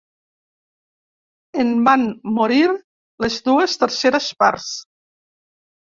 En van morir les dues terceres parts.